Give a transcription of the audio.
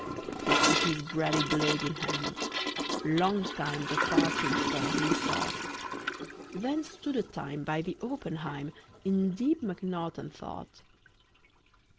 He took his brady blade in hand; Long time the partridge foe he sought. Then stood a time by the oppenheim In deep mcnaughton thought.